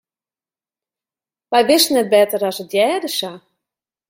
Wy wisten net better as it hearde sa.